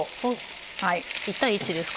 １対１ですか。